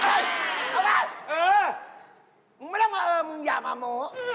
มึงไม่ต้องมาเอองมึงอย่ามาโมก